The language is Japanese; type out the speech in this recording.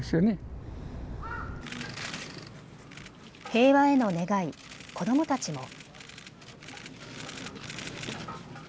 平和への願い、子どもたちも。